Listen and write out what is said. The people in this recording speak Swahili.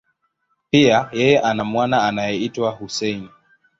Pia, yeye ana mwana anayeitwa Hussein.